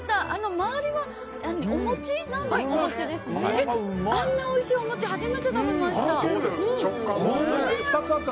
周りはお餅なんですけどあんなおいしいお餅初めて食べました。